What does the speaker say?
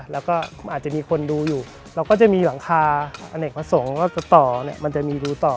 แล้วก็อาจจะมีคนดูอยู่เราก็จะมีหลังคาอเนกประสงค์ว่าจะต่อเนี่ยมันจะมีดูต่อ